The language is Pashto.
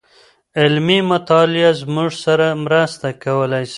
علمي مطالعه زموږ سره مرسته کولای سي.